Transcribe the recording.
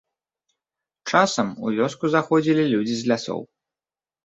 Часам, у вёску заходзілі людзі з лясоў.